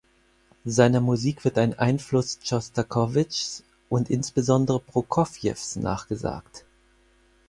Seiner Musik wird ein Einfluss Schostakowitschs und insbesondere Prokofjews nachgesagt.